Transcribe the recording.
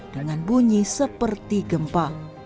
dengan bunyi seperti gempa